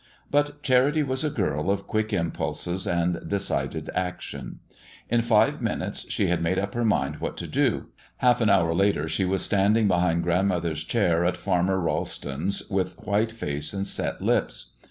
But Charity was a girl of quick impulses and decided action. In five minutes she had made up her mind what to do. Half an hour later she was standing behind grandmother's chair at Farmer Ralston's with white face and set lips.